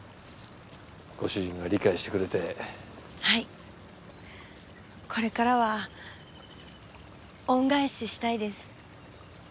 ご主人が理解してくれてはいこれからは恩返ししたいです